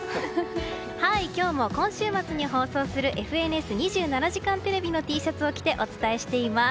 今日も今週末に放送する「ＦＮＳ２７時間テレビ」のＴシャツを着てお伝えしています。